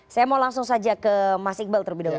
saya mau langsung saja ke mas iqbal terlebih dahulu